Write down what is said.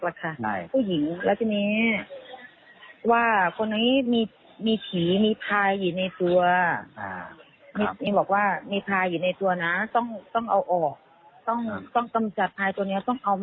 ด้วยความของฝัง